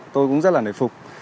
tôi cũng rất là nổi phục